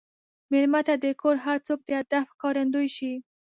مېلمه ته د کور هر څوک د ادب ښکارندوي شي.